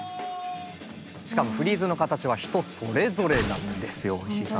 しかもフリーズの形は人それぞれなんですよ石井さん。